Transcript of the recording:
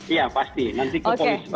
iya pasti nanti kepolis